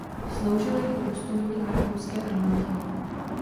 Sloužil jako důstojník v rakouské armádě.